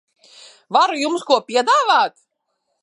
Varu jums ko piedāvāt?